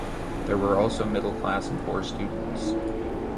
There were also middle class and poor students.